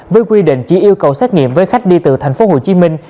với quy định chỉ yêu cầu xét nghiệm với khách đi từ thành phố hồ chí minh